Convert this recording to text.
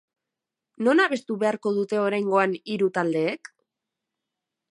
Non abestu beharko dute oraingoan hiru taldeek?